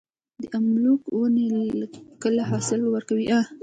د املوک ونې کله حاصل ورکوي؟